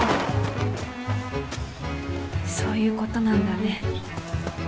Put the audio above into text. そういうことなんだね。